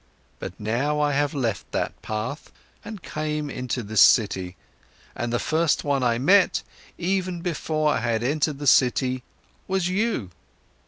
But now, I have left that path and came into this city, and the first one I met, even before I had entered the city, was you.